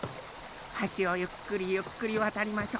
はしをゆっくりゆっくりわたりましょ。